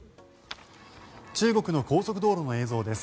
中国の高速道路の映像です。